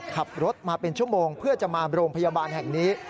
ขับรถมาเป็นชั่วโมงเพื่อจะมาโรงพยาบาลแห่งนี้